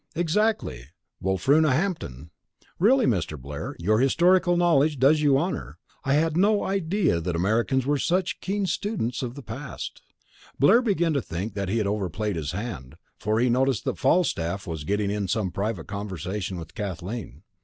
"Exactly Wulfruna hampton. Really, Mr. Blair, your historical knowledge does you honour. I had no idea that Americans were such keen students of the past." Blair began to think that he had overplayed his hand, for he noticed that Falstaff was getting in some private conversation with Kathleen.